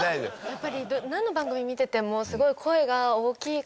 やっぱりなんの番組見ててもすごい声が大きい。